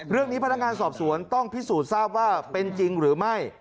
พนักงานสอบสวนต้องพิสูจน์ทราบว่าเป็นจริงหรือไม่